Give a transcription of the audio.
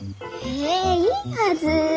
へえいいはずー